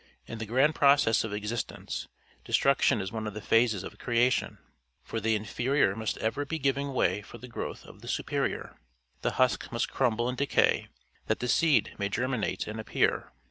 In the grand process of existence, destruction is one of the phases of creation; for the inferior must ever be giving way for the growth of the superior: the husk must crumble and decay, that the seed may germinate and appear.